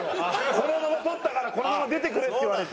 このまま撮ったからこのまま出てくれって言われて。